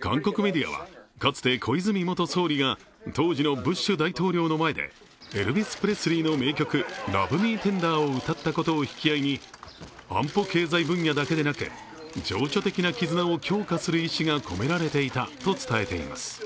韓国メディアは、かつて小泉元総理が当時のブッシュ大統領の前でエルビス・プレスリーの名曲、「ラブ・ミー・テンダー」を歌ったことを引き合いに安保経済分野だけでなく、情緒的な絆を強化する意思が込められていたと伝えています。